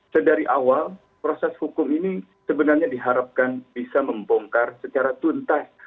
sedari awal proses hukum ini sebenarnya diharapkan bisa membongkar secara tuntas